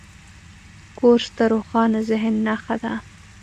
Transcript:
کورس د روښانه ذهن نښه ده.